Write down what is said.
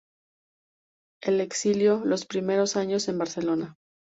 El exilio, los primeros años en Barcelona.